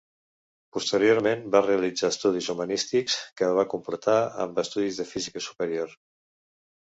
Posteriorment va realitzar estudis humanístics, que va completar amb estudis de física superior.